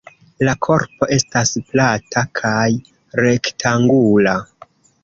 La korpo estas plata kaj rektangula.